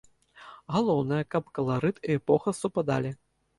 Галоўнае, каб каларыт і эпоха супадалі.